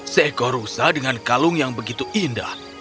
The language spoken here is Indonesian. seekor rusa dengan kalung yang begitu indah